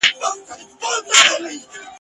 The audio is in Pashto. شیخه زما او ستا بدي زړه ده له ازله ده !.